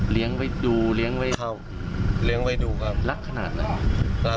เลี้ยงไว้ดูเลี้ยงไว้ครับเลี้ยงไว้ดูครับรักขนาดไหน